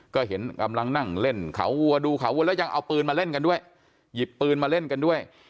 ก็เห็นกำลังนั่งเล่นเขาวัวดูเขาวัวแล้วยังเอาปืนมาเล่นกันด้วยหยิบปืนมาเล่นกันด้วย